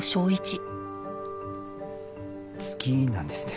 好きなんですね。